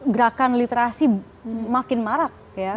gerakan literasi makin marak